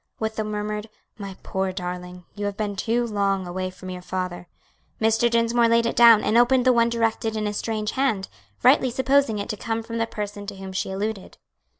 With a murmured "My poor darling! you have been too long away from your father," Mr. Dinsmore laid it down and opened the one directed in a strange hand; rightly supposing it to come from the person to whom she alluded.